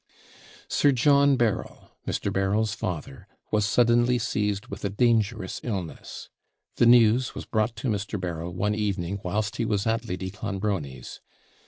Sir John Berryl, Mr. Berryl's father, was suddenly seized with a dangerous illness. The news was brought to Mr. Berryl one evening whilst he was at Lady Clonbrony's.